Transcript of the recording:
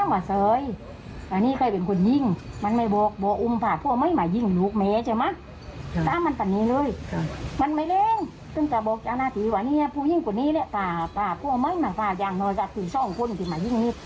ไม่มาฝากอย่างน้อยก็คือช่องคนที่มายิ่งนิด